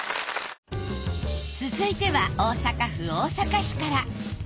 続いては大阪府大阪市から。